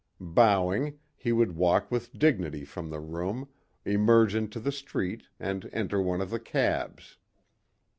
Bowing, he would walk with dignity from the room, emerge into the street and enter one of the cabs.